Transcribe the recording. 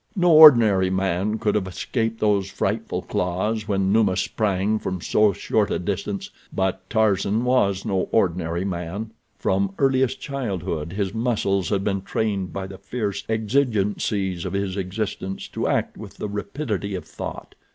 No ordinary man could have escaped those frightful claws when Numa sprang from so short a distance, but Tarzan was no ordinary man. From earliest childhood his muscles had been trained by the fierce exigencies of his existence to act with the rapidity of thought.